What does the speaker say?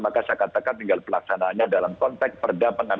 maka saya katakan tinggal pelaksanaannya dalam konteks pemerintahan